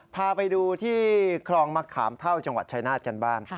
พาไปดูที่คลองมะขามเท่าจังหวัดชายนาฏกันบ้าง